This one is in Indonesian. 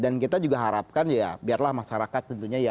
dan kita juga harapkan ya biarlah masyarakat tentunya yang menilai gitu loh